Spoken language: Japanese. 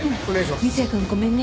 三ツ矢くんごめんね。